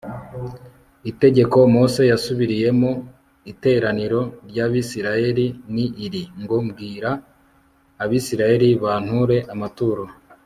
itegeko mose yasubiriyemo iteraniro ry'abisirayeli ni iri ngo bwira abisirayeli banture amaturo